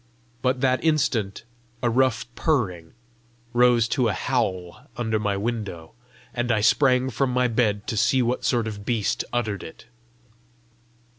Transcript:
But that instant a rough purring rose to a howl under my window, and I sprang from my bed to see what sort of beast uttered it.